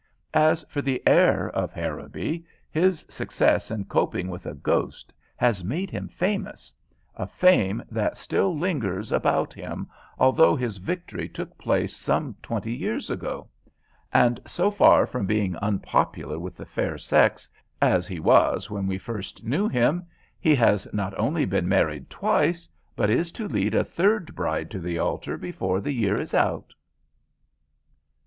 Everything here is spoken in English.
As for the heir of Harrowby, his success in coping with a ghost has made him famous, a fame that still lingers about him, although his victory took place some twenty years ago; and so far from being unpopular with the fair sex, as he was when we first knew him, he has not only been married twice, but is to lead a third bride to the altar before the year is out.